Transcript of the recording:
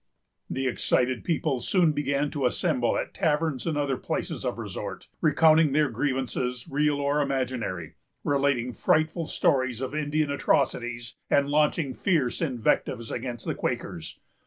The excited people soon began to assemble at taverns and other places of resort, recounting their grievances, real or imaginary; relating frightful stories of Indian atrocities, and launching fierce invectives against the Quakers.